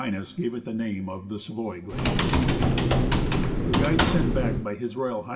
gave it the name of The Savoy Glacier. The guides sent back by H.R. H.